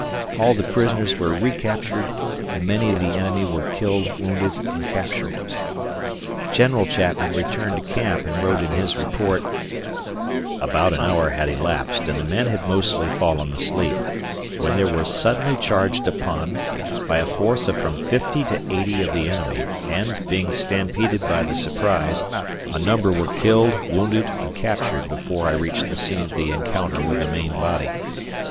All the prisoners were recaptured, and many of the enemy were killed, wounded, and captured. General Chapman returned to camp and wrote in his report: About an hour had elapsed and the men had mostly fallen asleep, when they were suddenly charged upon by a force of from fifty to eighty of the enemy, and, being stampeded by the surprise, a number were killed, wounded, and captured before I reached the scene of the encounter with the main body.